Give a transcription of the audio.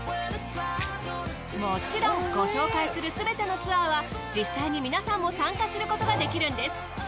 もちろんご紹介するすべてのツアーは実際に皆さんも参加することができるんです。